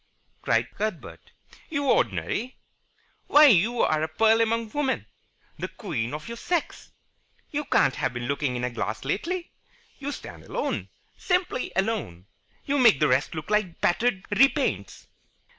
cried Cuthbert. "You ordinary? Why, you are a pearl among women, the queen of your sex. You can't have been looking in a glass lately. You stand alone. Simply alone. You make the rest look like battered repaints."